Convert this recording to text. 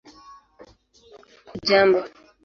hujambo